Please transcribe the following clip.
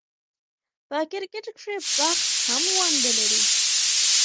په کرکټ کښي بخت هم ونډه لري.